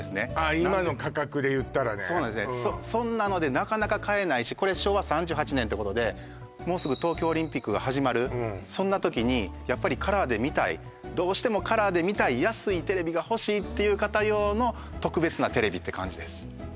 もうそんなのでなかなか買えないしこれ昭和３８年ってことでもうすぐ東京オリンピックが始まるそんな時にやっぱりカラーで見たいどうしてもカラーで見たい安いテレビがほしいっていう方用の特別なテレビって感じです